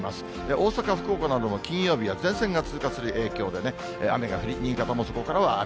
大阪、福岡なども金曜日は前線が通過する影響でね、雨が降り、新潟もそこから雨。